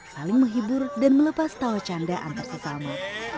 saling menghibur dan melepas tawa canda antar sesama